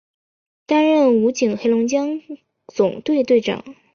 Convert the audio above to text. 担任武警黑龙江总队队长。